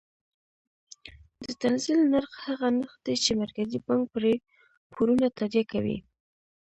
د تنزیل نرخ هغه نرخ دی چې مرکزي بانک پرې پورونه تادیه کوي.